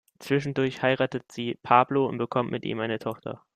Zwischendurch heiratet sie Pablo und bekommt mit ihm eine Tochter.